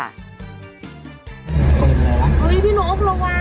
เฮ้ยพี่หนูประวัง